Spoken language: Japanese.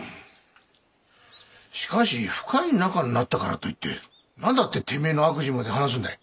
しかし深い仲になったからといって何だっててめえの悪事まで話すんだい？